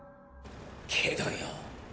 けどよ。